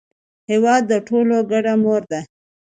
هېواد د ټولو ګډه مور ده.